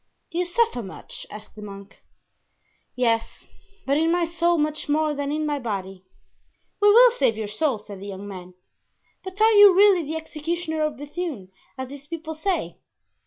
"Do you suffer much?" asked the monk. "Yes, but in my soul much more than in my body." "We will save your soul," said the young man; "but are you really the executioner of Bethune, as these people say?"